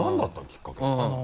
きっかけ。